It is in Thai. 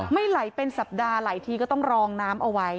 ไม่ไหลเป็นสัปดาห์หลายทีก็ต้องรองน้ำเอาไว้